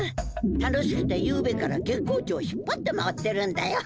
楽しくてゆうべから月光町を引っぱって回ってるんだよ。